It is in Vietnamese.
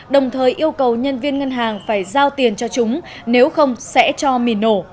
đồng thời yêu cầu nhân viên ngân hàng phải giao tiền cho chúng nếu không sẽ cho mìn nổ